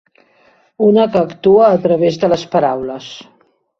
Una que actua a través de les paraules.